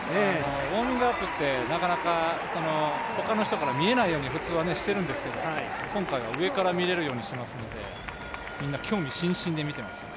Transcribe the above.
ウォーミングアップって、なかなか他の人から見えないように普通はしているんですけれども、今回は上から見られるようにしていますので、みんな興味津々で見ていますね。